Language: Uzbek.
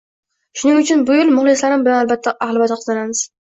Shuning uchun bu yil muhlislarim bilan birga albatta qozonamiz.